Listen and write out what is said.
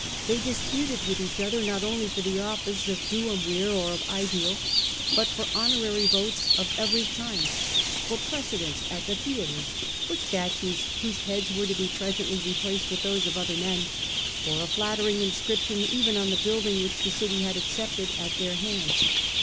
They disputed with each other not only for the office of duumvir or of asdile, but for honorary votes of every kind, for precedence at the theatres, for statues whose heads were to be presently replaced with those of other men, for a flattering inscription even on the building which the city had accepted at their hands.